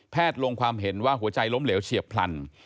ลงความเห็นว่าหัวใจล้มเหลวเฉียบพลัน